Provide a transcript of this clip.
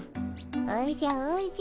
おじゃおじゃ。